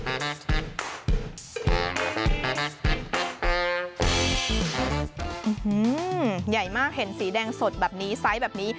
ใหญ่มากเห็นสีแดงสดแบบนี้ไซส์แบบนี้